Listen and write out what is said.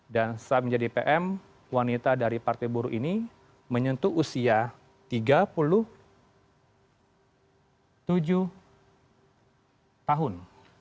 dan saat menjadi pm wanita dari partai buru ini menyentuh usia tiga puluh tujuh tahun